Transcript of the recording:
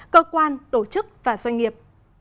cơ quan tổ chức và doanh nghiệp